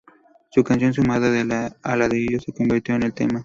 Su canción, sumada a la de ellos, se convirtió en el tema.